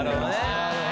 なるほどね。